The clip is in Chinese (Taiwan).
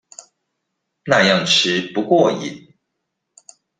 那樣吃不過癮